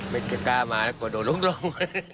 ไม่จะกล้ามาแล้วก็โดนลุกหลง